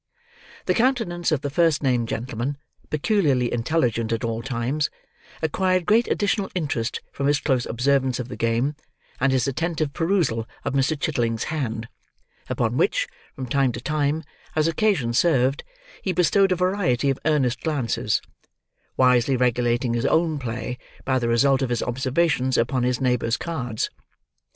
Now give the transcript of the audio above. The countenance of the first named gentleman, peculiarly intelligent at all times, acquired great additional interest from his close observance of the game, and his attentive perusal of Mr. Chitling's hand; upon which, from time to time, as occasion served, he bestowed a variety of earnest glances: wisely regulating his own play by the result of his observations upon his neighbour's cards.